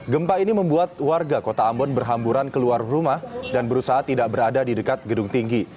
gempa ini membuat warga kota ambon berhamburan keluar rumah dan berusaha tidak berada di dekat gedung tinggi